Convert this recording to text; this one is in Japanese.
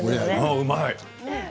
うまい。